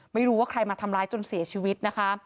ไม่รู้ว่าใครมาทำร้ายจนเสียชีวิตนะคะ